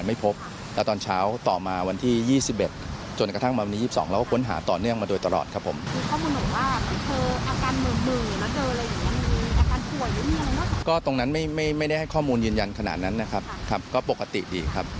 ไม่มีอาการเหรอครับไม่มีครับไม่มีครับ